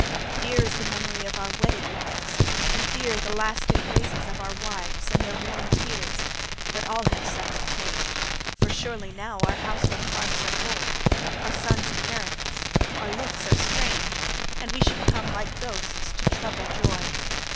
6 Dear is the memory of our wedded lives, And dear the last embraces of our wives And their warm tears: but all hath suffer'd change; For surely now our household hearths are cold: Our sons inherit us: our looks are strange: And we should come like ghosts to trouble joy.